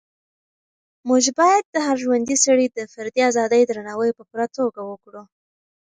موږ باید د هر ژوندي سري د فردي ازادۍ درناوی په پوره توګه وکړو.